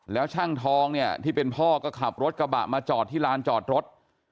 แล้วช่างทองเนี่ยที่เป็นพ่อก็ขับรถกระบะมาจอดที่ลานจอดรถ